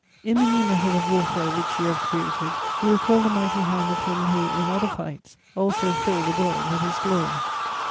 "In the new method of warfare which you have created, you recall the mighty hand of him who, in other fights, also filled the world with his glory.